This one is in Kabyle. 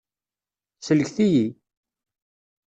Sellket-iyi!